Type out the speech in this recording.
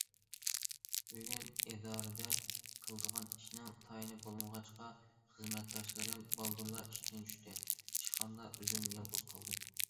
بۈگۈن ئىدارىدە قىلىدىغان ئىشنىڭ تايىنى بولمىغاچقا، خىزمەتداشلىرىم بالدۇرلا ئىشتىن چۈشتى، ئىشخانىدا ئۆزۈم يالغۇز قالدىم.